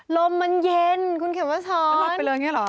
ลมมันเย็นคุณเขียนมาสอน